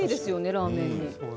ラーメンに。